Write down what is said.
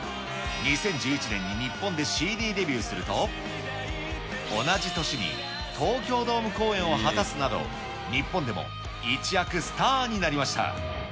２０１１年に日本でＣＤデビューすると、同じ年に東京ドーム公演を果たすなど、日本でも一躍スターになりました。